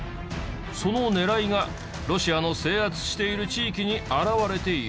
その狙いがロシアの制圧している地域にあらわれている。